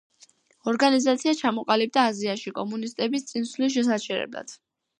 ორგანიზაცია ჩამოყალიბდა აზიაში კომუნისტების წინსვლის შესაჩერებლად.